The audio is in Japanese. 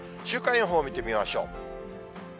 週間予報を見てみましょう。